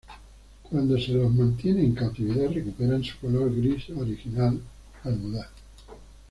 Cuando se los mantiene en cautividad recuperan su color gris original al mudar.